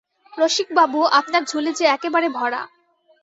রসিকবাবু, আপনার ঝুলি যে একেবারে ভরা।